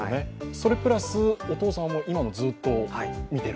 それプラスお父さんは今もずっと見ている。